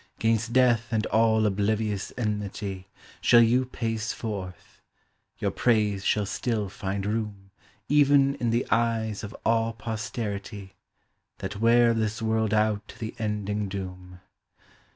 'Gainst death and all oblivious enmity Shall you pace forth : your praise shall still find room Even in the eyes of all posterity, That wear this world out to the ending doom.